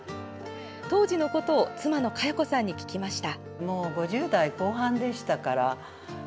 当時のことを妻の佳代子さんに聞きました。